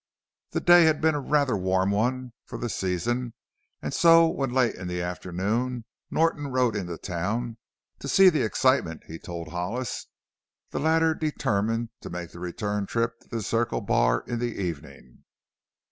The day had been a rather warm one for the season and so when late in the afternoon Norton rode into town, "To see the excitement," he told Hollis, the latter determined to make the return trip to the Circle Bar in the evening.